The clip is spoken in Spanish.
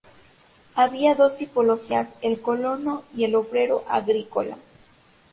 Había dos tipologías: el colono y el obrero agrícola.